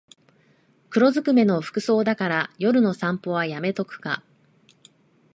黒ずくめの服装だから夜の散歩はやめとくか